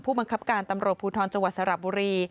บังคับการตำรวจภูทรจังหวัดสระบุรี